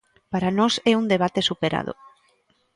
Para nós é un debate superado.